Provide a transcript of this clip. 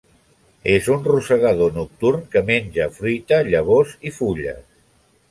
És un rosegador nocturn que menja fruita, llavors i fulles.